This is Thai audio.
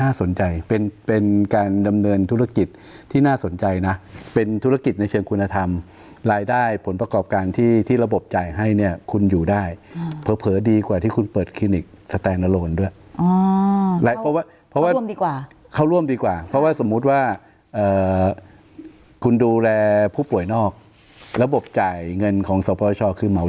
สนใจเป็นเป็นการดำเนินธุรกิจที่น่าสนใจนะเป็นธุรกิจในเชิงคุณธรรมรายได้ผลประกอบการที่ที่ระบบจ่ายให้เนี่ยคุณอยู่ได้เผลอดีกว่าที่คุณเปิดคลินิกสแตนโลนด้วยอ๋อเพราะว่าเพราะว่าร่วมดีกว่าเข้าร่วมดีกว่าเพราะว่าสมมุติว่าคุณดูแลผู้ป่วยนอกระบบจ่ายเงินของสปชคือเหมา